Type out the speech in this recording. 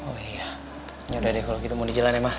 oh iya yaudah deh kalau gitu mau dijalan ya ma